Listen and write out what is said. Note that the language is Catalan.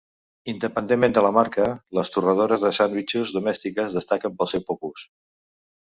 Independentment de la marca, les torradores de sandvitxos domèstiques destaquen pel seu poc ús.